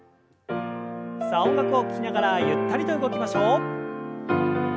さあ音楽を聞きながらゆったりと動きましょう。